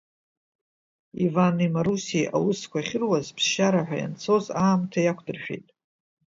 Ивани Марусиеи аусқәа ахьыруаз, ԥсшьара ҳәа ианцоз, аамҭа иақәдыршәеит.